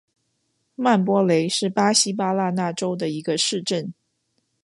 曼波雷是巴西巴拉那州的一个市镇。